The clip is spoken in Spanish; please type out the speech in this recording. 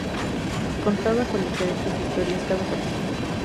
Contaba con diferentes historias cada capítulo.